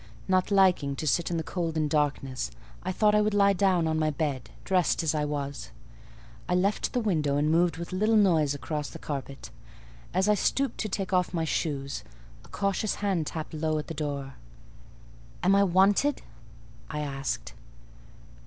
Not liking to sit in the cold and darkness, I thought I would lie down on my bed, dressed as I was. I left the window, and moved with little noise across the carpet; as I stooped to take off my shoes, a cautious hand tapped low at the door. "Am I wanted?" I asked.